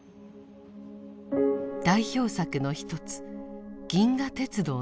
代表作の一つ「銀河鉄道の夜」。